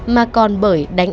mà còn bởi đánh án